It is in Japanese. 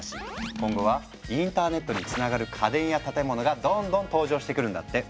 今後はインターネットにつながる家電や建物がどんどん登場してくるんだって。